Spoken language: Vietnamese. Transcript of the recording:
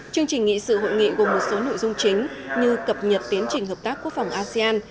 chương trình nghị sự hội nghị gồm một số nội dung chính như cập nhật tiến trình hợp tác quốc phòng asean